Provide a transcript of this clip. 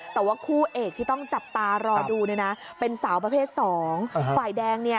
แต่ว่าคู่เอกที่ต้องจับตารอดูเนี่ยนะเป็นสาวประเภทสองฝ่ายแดงเนี่ย